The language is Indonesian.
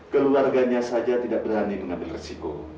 keluarganya saja tidak berani mengambil resiko